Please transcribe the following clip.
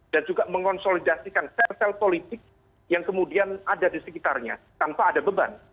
dan juga mengkonsolidasikan sel sel politik yang kemudian ada di sekitarnya tanpa ada beban